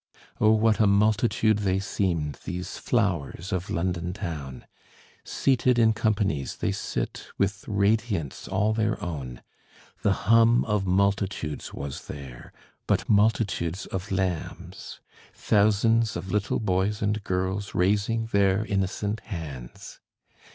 Oh, what a multitude they seemed, these flowers of London town! Seated in companies they sit, with radiance all their own. The hum of multitudes was there, but multitudes of lambs, Thousands of little boys and girls raising their innocent hands.